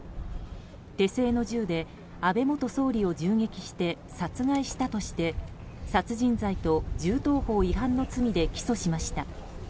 手製の銃で安倍元総理を銃撃して殺害したとして殺人罪と銃刀法違反の罪で起訴しました。